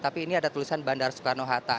tapi ini ada tulisan bandara soekarno hatta